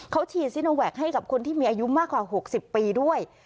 เขาฉีดซิโนแวคให้กับคนที่มีอายุมากกว่า๖๐ปีด้วย